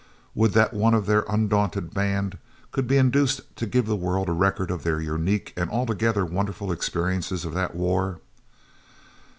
Would that one of their undaunted band could be induced to give the world a record of their unique and altogether wonderful experiences of the war!